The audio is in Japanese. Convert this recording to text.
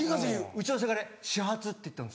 うちのせがれ「始発」って言ったんですよ。